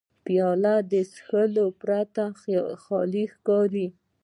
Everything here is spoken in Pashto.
پیاله له څښاک پرته خالي نه ښکاري.